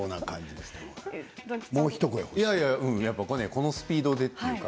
このスピードでというか。